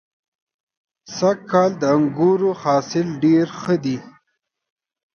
سږ کال د انګورو حاصل ډېر ښه دی.